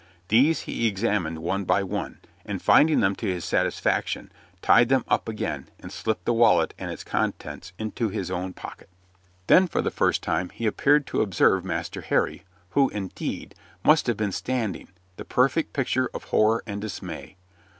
These he examined one by one, and finding them to his satisfaction, tied them up again, and slipped the wallet and its contents into his own pocket. Then for the first time he appeared to observe Master Harry, who, indeed, must have been standing, the perfect picture of horror and dismay.